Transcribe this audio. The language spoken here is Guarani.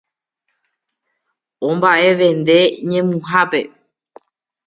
Omba'evende ñemuhápe